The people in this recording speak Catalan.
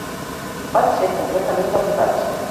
Van ser completament derrotats.